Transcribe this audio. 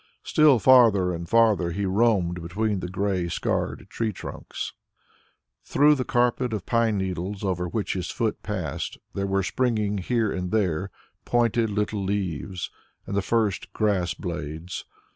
Still farther and farther he roamed between the grey scarred tree trunks. Through the carpet of pine needles over which his foot passed, there were springing here and there pointed little leaves and the first grass blades.